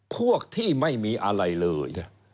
พวกที่ไม่มีอะไรเลย